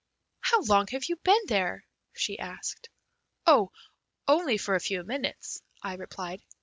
"How long have you been here?" she asked. "Oh, only for a few minutes," I replied.